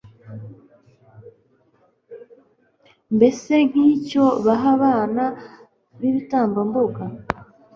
mbese nk'icyo baha abana b'ibitambambuga